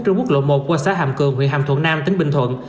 trên quốc lộ một qua xã hàm cường huyện hàm thuận nam tỉnh bình thuận